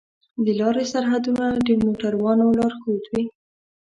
د لارې سرحدونه د موټروانو لارښود وي.